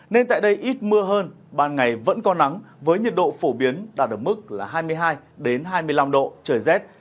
nên tại đây ít mưa hơn ban ngày vẫn có nắng với nhiệt độ phổ biến đạt ở mức là hai mươi hai hai mươi năm độ trời rét